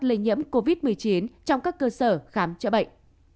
lây nhiễm covid một mươi chín trong các cơ sở khám chữa bệnh